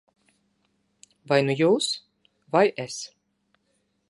Vai nu jūs, vai es.